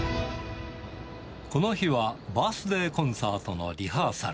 この日はバースデーコンサートのリハーサル。